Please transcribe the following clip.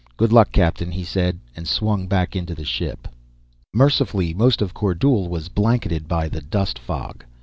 "Good luck, captain," he said, and swung back into the ship. _ Mercifully, most of Kordule was blanketed by the dust fog.